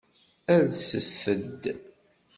Alset-d.